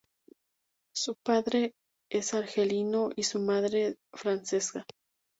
Su padre es argelino y su madre francesa.